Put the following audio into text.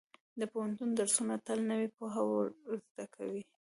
د پوهنتون درسونه تل نوې پوهه ورزده کوي.